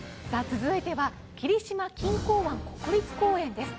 続いては霧島錦江湾国立公園です